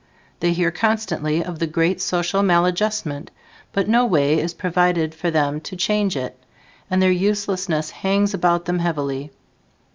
They hear constantly of the great social maladjustment, but no way is provided for them to change it, and their uselessness hangs about them heavily.